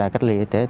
cách ly y tế